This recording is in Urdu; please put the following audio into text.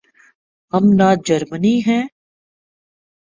ہم نہ جرمنی ہیں۔